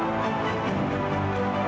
di jalan jalan menuju indonesia